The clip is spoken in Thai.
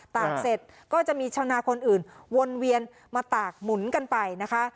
ตากเสร็จก็จะมีชาวนาคนอื่นวนเวียนมาตากหมุนกันไปนะคะ